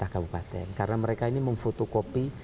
kawupaten karena mereka ini memfotokopi